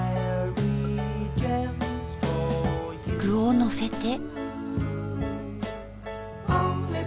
具をのせて。